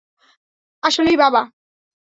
আসলেই, বাবা?